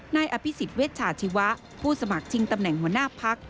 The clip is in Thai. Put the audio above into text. นายอภิษฎเวชชาชีวะผู้สมัครชิงตำแหน่งหัวหน้าพัก